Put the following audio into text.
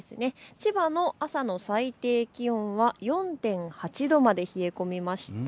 千葉の朝の最低気温は４．８度まで冷え込みました。